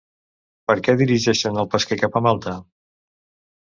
Per què dirigeixen el pesquer cap a Malta?